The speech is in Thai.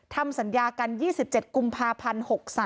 ทำสัญญากัน๒๗กุมภาพันธ์๖๓